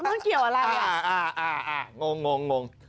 มันเกี่ยวอะไรอย่างนี้งง